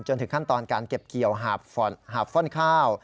ถึงขั้นตอนการเก็บเกี่ยวหาบฟ่อนข้าว